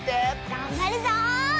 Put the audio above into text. がんばるぞ！